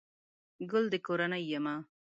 گل دکورنۍ يمه